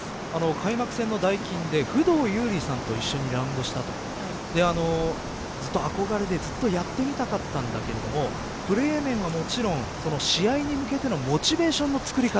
開幕戦のダイキンで不動裕理さんと一緒にラウンドしたとずっと憧れで、ずっとやってみたかったんだけどもプレー面をもちろん試合に向けてのモチベーションの作り方